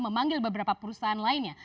memanggil beberapa perusahaan lainnya